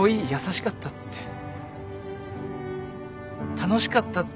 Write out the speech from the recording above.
楽しかったって。